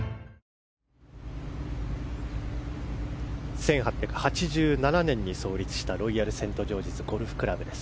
１８８７年に創立したロイヤルセントジョージズゴルフクラブです。